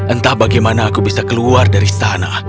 entah bagaimana aku bisa keluar dari sana